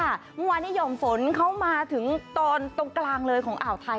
เมื่อวานนี้ห่อมฝนเข้ามาถึงตอนตรงกลางเลยของอ่าวไทย